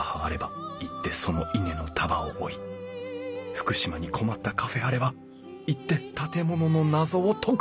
福島に困ったカフェあれば行って建物の謎を解く